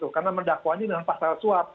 karena mendakwani dengan pasal suap